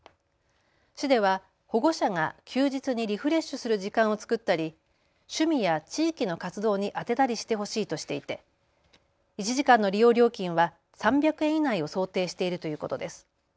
市では保護者が休日にリフレッシュする時間を作ったり趣味や地域の活動にあてたりしてほしいとしていて１時間の利用料金は３００円以内を想定しているということです。